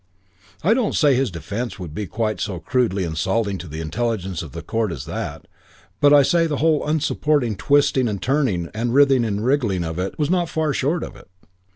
"I don't say his defence would be quite so crudely insulting to the intelligence of the court as that; but I say the whole unsupported twisting and turning and writhing and wriggling of it was not far short of it.